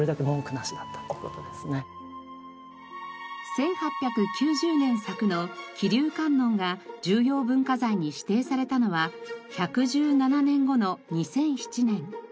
１８９０年作の『騎龍観音』が重要文化財に指定されたのは１１７年後の２００７年。